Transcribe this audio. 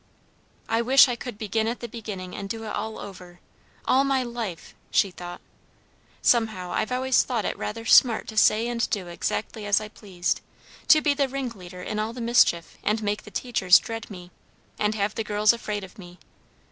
"I wish I could begin at the beginning and do it all over, all my life!" she thought. "Somehow I've always thought it rather smart to say and do exactly as I pleased; to be the ringleader in all the mischief and make the teachers dread me, and have the girls afraid of me.